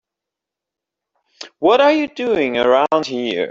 What are you doing around here?